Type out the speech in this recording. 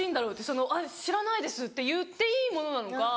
その「知らないです」って言っていいものなのか。